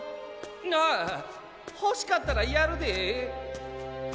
あほしかったらやるで！